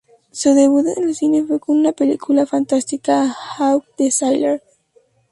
Su debut en el cine fue con la película fantástica "Hawk the Slayer".